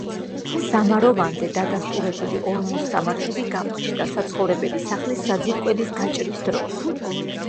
სამაროვანზე დადასტურებული ორმოსამარხები გამოჩნდა საცხოვრებელი სახლის საძირკველის გაჭრის დროს.